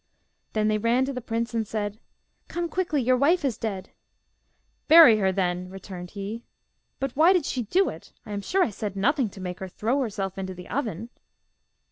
Then they ran to the prince and said: 'Come quickly, your wife is dead!' 'Bury her, then!' returned he. 'But why did she do it? I am sure I said nothing to make her throw herself into the oven.